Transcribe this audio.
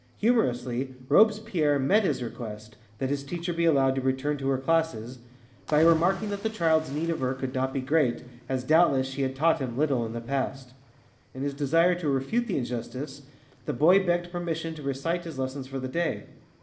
Humorously, Robespierre met his request that his teacher be allowed to return to her classes by remarking that the child's need of her could not be great, as doubtless she had taught him little in the past. In his desire to refute the injustice, the boy begged permission to recite his lessons for the day.